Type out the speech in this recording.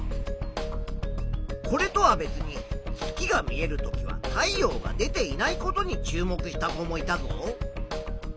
これとは別に月が見えるときは太陽が出ていないことに注目した子もいたぞ。